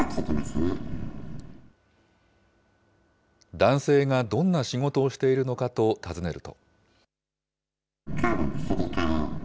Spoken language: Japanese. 男性がどんな仕事をしているのかと尋ねると。